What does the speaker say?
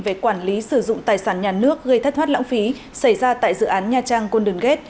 về quản lý sử dụng tài sản nhà nước gây thất thoát lãng phí xảy ra tại dự án nha trang côn đường ghét